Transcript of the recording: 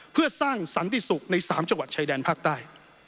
เพื่อสร้างสันติศุกร์ใน๓จังหวัดชายแดนภาคใต้